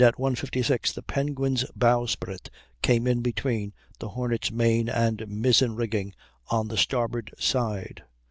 56 the Penguin's bowsprit came in between the Hornet's main and mizzen rigging on the starboard side.